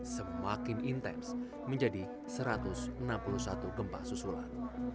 semakin intens menjadi satu ratus enam puluh satu gempa susulan